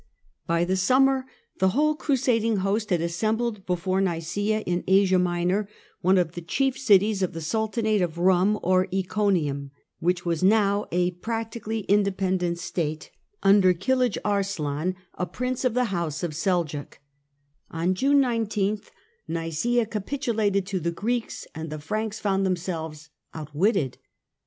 By the summer the whole crusading host had Siege of assembled before Nicaea in Asia Minor, one of the May^i697 chief cities of the sultanate of Eoum or Iconium, which was now a practically independent state under 142 THE CENTRAL PERIOD OF THE MIDDLE AGE Kilij Arslan, a prince of the house of Seljuk. On June 19th Nica?a capitulated to the Greeks, and the Franks found themselves outwitted.